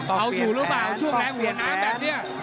ต้องเปลี่ยนแผนต้องเปลี่ยนแผนต้องเปลี่ยนแผน